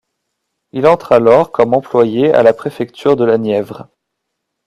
Il entre alors comme employé à la préfecture de la Nièvre.